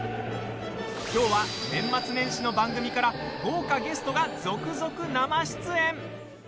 今日は、年末年始の番組から豪華ゲストが続々生出演。